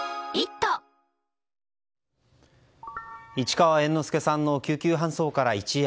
市川猿之助さんの救急搬送から一夜。